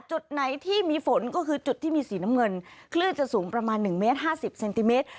จุดไหนที่มีฝนก็คือจุดที่มีสีน้ำเงินคลื่นจะสูงประมาณ๑เมตร๕๐เซนติเมตร